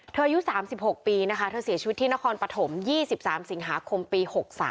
อายุ๓๖ปีนะคะเธอเสียชีวิตที่นครปฐม๒๓สิงหาคมปี๖๓